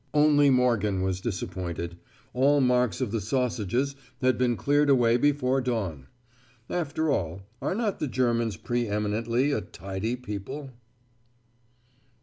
Only Morgan was disappointed: all marks of the sausages had been cleared away before dawn! After all, are not the Germans pre eminently a tidy people?